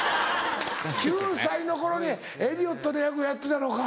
９歳の頃にエリオットの役やってたのか。